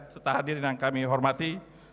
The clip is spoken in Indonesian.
setahadirin yang kami hormati